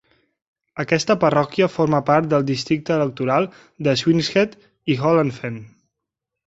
Aquesta parròquia forma part del districte electoral de Swineshead i Holland Fen.